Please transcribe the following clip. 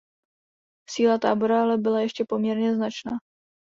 Síla Tábora ale byla ještě poměrně značná.